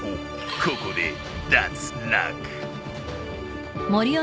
ここで脱落。